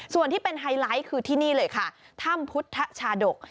ส่วนที่เป็นไฮไลท์คือที่นี่เลยค่ะถ้ำพุทธชาดก